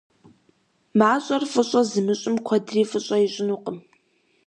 МащӀэр фӀыщӀэ зымыщӀым куэдри фӀыщӀэ ищӀынукъым.